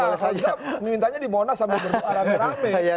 ya boleh saja minta dimona sama berdua orang teramai